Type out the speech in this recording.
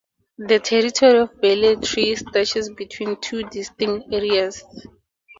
The territory of Velletri stretches between two distinct areas.